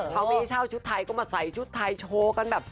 พบิเช่าชุดไทยก็มาใส่ชุดไทยโชว์กันแบบ